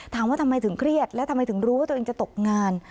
ถามว่าทำไมถึงเครียดและทำไมถึงรู้ว่าตัวเองจะตกงาน